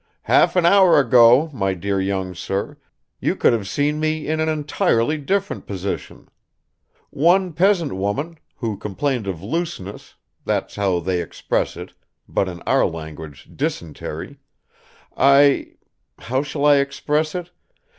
Half an hour ago, my dear young sir, you could have seen me in an entirely different position. One peasant woman, who complained of looseness that's how they express it, but in our language, dysentery I how shall I express it?